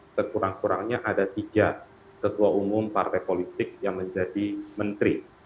sekurang kurangnya ada tiga ketua umum partai politik yang menjadi menteri